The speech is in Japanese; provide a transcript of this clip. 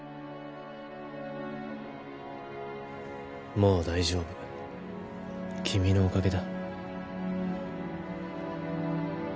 もう大丈夫君のおかげだ